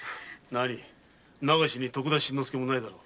流しに徳田新之助もないだろう。